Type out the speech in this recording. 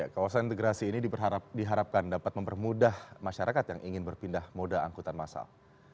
kawasan integrasi ini diharapkan dapat mempermudah masyarakat yang ingin berpindah moda angkutan masal